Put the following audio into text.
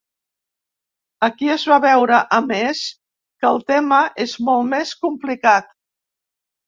Aquí es va veure, a més, que el tema és molt més complicat.